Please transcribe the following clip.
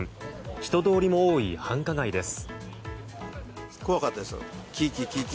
人通りも多い繁華街です。